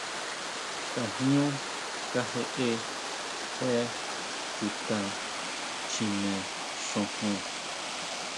¿Tajñu kajeʼe chuta Chjine xujun?